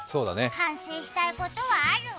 反省したいことはある？